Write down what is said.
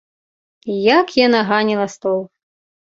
Як яна ганіла стол!